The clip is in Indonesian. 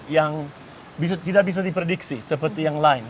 yang tidak bisa diprediksi seperti yang lain